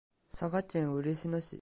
佐賀県嬉野市